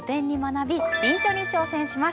臨書に挑戦します。